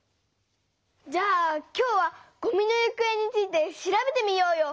じゃあ今日は「ごみのゆくえ」について調べてみようよ！